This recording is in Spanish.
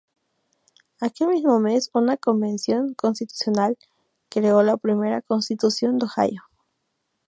Aquel mismo mes, una convención constitucional creó la primera Constitución de Ohio.